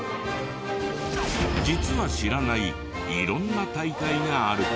実は知らない色んな大会があるけど。